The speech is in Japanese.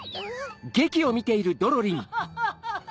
フハハハハ！